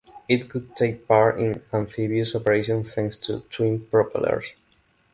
It could take part in amphibious operations thanks to twin propellers.